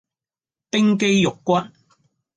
冰肌玉骨